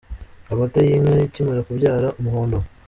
Amata y’Inka ikimara kubyara : Umuhondo.